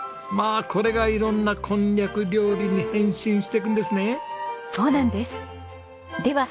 まあこれが色んなこんにゃく料理に変身していくんですね。